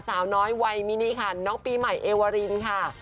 สาวน้อยวัยมินิค่ะน้องปีใหม่เอวารินค่ะ